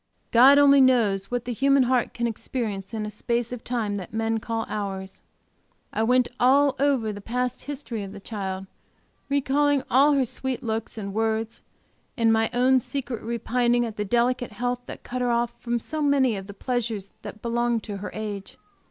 God only knows what the human heart can experience in a space of time that men call hours. I went over all the past history of the child, recalling all her sweet looks and words, and my own secret repining at the delicate health that cut her off from so many of the pleasures that belong to her age.